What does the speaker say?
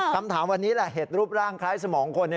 คำถามวันนี้แหละเห็ดรูปร่างคล้ายสมองคน